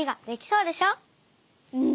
うん。